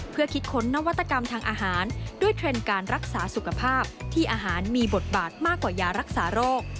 เพื่อคิดค้นนวัตกรรมทางอาหารด้วยเทรนด์การรักษาสุขภาพที่อาหารมีบทบาทมากกว่ายารักษาโรค